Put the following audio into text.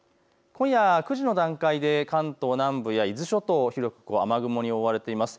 今夜９時の段階で関東南部や伊豆諸島、広く雨雲に覆われています。